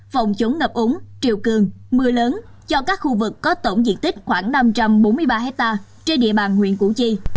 phòng chống ngập úng triều cường mưa lớn cho các khu vực có tổng diện tích khoảng năm trăm bốn mươi ba hectare trên địa bàn huyện củ chi